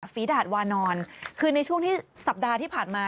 ฝีดาดวานอนคือในช่วงที่สัปดาห์ที่ผ่านมา